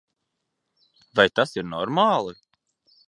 Vai tas ir normāli?